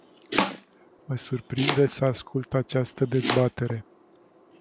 Mă surprinde să ascult această dezbatere.